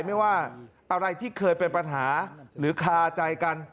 ไม่ว่าอะไรที่เคยเป็นปัญหาหรือคาใจกัน